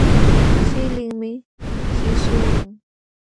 Qilinmi qisququlqun.